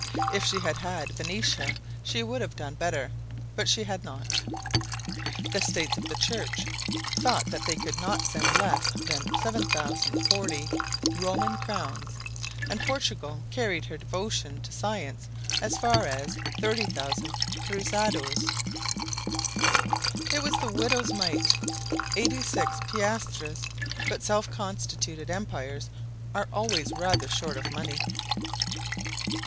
If she had had Venetia she would have done better; but she had not. The States of the Church thought that they could not send less than 7,040 Roman crowns; and Portugal carried her devotion to science as far as 30,000 cruzados. It was the widow's mite—eighty six piastres; but self constituted empires are always rather short of money.